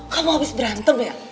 kamu abis berantem ya